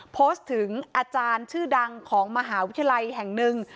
โพสต์ถึงอาจารย์ชื่อดังของมหาวิทยาลัยแห่งหนึ่ง